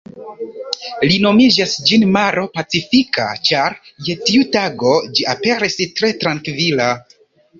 Li nomigas ĝin maro pacifika, ĉar je tiu tago ĝi aperis tre trankvila.